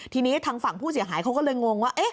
ทีนี้ทางฝั่งผู้เสียหายเขาก็เลยงงว่า